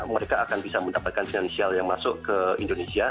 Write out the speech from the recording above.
mereka akan bisa mendapatkan finansial yang masuk ke indonesia